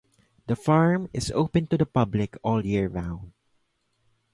The farm is open to the public all year-round.